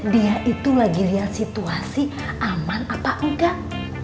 dia itu lagi lihat situasi aman apa enggak